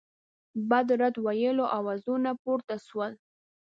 بد رد ویلو آوازونه پورته سول.